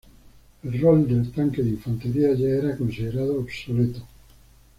El rol del tanque de infantería ya era considerado obsoleto.